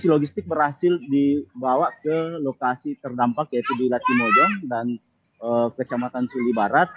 logistik berhasil dibawa ke lokasi terdampak yaitu di latimojong dan kecamatan suli barat